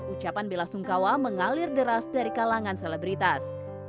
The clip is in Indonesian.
ucapan bela sungkawa mengalir deras dari kalangan selebritas